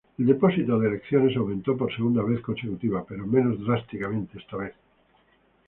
El depósito de elecciones aumentó por segunda vez consecutiva pero menos drásticamente esta vez.